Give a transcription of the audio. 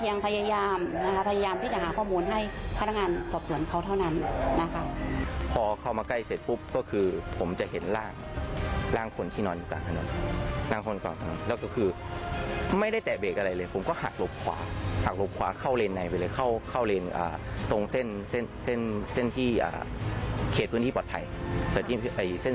มีความรู้สึกว่ามีความรู้สึกว่ามีความรู้สึกว่ามีความรู้สึกว่ามีความรู้สึกว่ามีความรู้สึกว่ามีความรู้สึกว่ามีความรู้สึกว่ามีความรู้สึกว่ามีความรู้สึกว่ามีความรู้สึกว่ามีความรู้สึกว่ามีความรู้สึกว่ามีความรู้สึกว่ามีความรู้สึกว่ามีความรู้สึกว